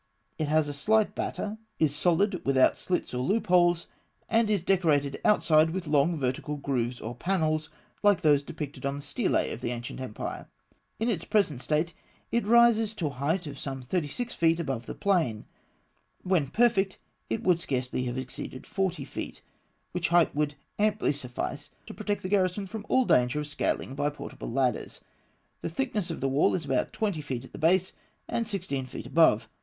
It has a slight batter; is solid, without slits or loopholes; and is decorated outside with long vertical grooves or panels, like those depicted on the stelae of the ancient empire. In its present state, it rises to a height of some thirty six feet above the plain; when perfect, it would scarcely have exceeded forty feet, which height would amply suffice to protect the garrison from all danger of scaling by portable ladders. The thickness of the wall is about twenty feet at the base, and sixteen feet above.